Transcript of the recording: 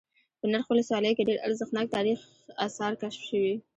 په نرخ ولسوالۍ كې ډېر ارزښتناك تاريخ آثار كشف شوي